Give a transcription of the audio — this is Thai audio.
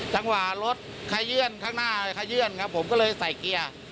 จังหวะรถขยื่นข้างหน้าขยื่นครับผมก็เลยใส่เกียร์